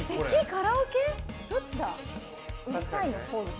カラオケ？どっちだ？